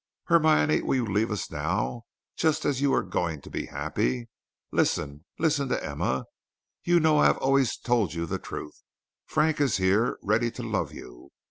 "Hermione, will you leave us now, just as you are going to be happy? Listen, listen to Emma. You know I have always told you the truth. Frank is here, ready to love you.